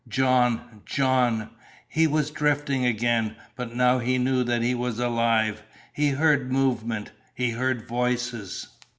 "John John " He was drifting again, but now he knew that he was alive. He heard movement. He heard voices.